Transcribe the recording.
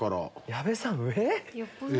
矢部さん上？